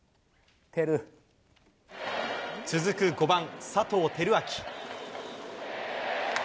続く５番佐藤輝明。